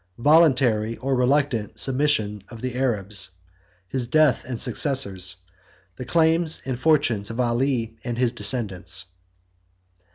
— Voluntary Or Reluctant Submission Of The Arabs.—His Death And Successors.—The Claims And Fortunes Of Ali And His Descendants.